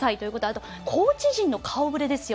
あとコーチ陣の顔ぶれですよ。